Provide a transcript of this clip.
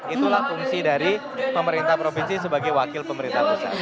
itulah fungsi dari pemerintah provinsi sebagai wakil pemerintah pusat